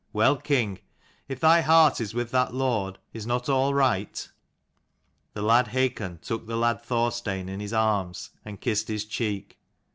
" Well, king, and if thy heart is with that Lord, is not all right ?" The lad Hakon took the lad Thorstein in his arms, and kissed his cheek.